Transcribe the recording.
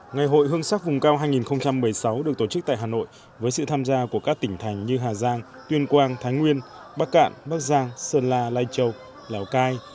ngày hội hương sắc vùng cao hai nghìn một mươi sáu được tổ chức tại hà nội với sự tham gia của các tỉnh thành như hà giang tuyên quang thái nguyên bắc cạn bắc giang sơn la lai châu lào cai